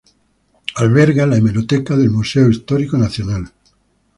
Alberga la hemeroteca del Museo Histórico Nacional.